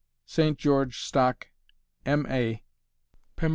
ST GEORGE STOCK M A _Pemb.